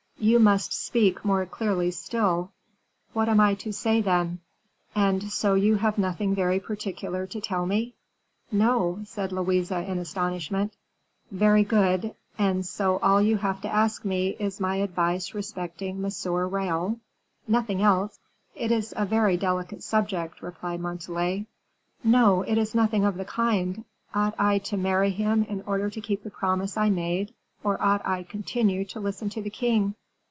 "You must speak more clearly still." "What am I to say, then?" "And so you have nothing very particular to tell me?" "No!" said Louise, in astonishment. "Very good; and so all you have to ask me is my advice respecting M. Raoul?" "Nothing else." "It is a very delicate subject," replied Montalais. "No, it is nothing of the kind. Ought I to marry him in order to keep the promise I made, or ought I continue to listen to the king?"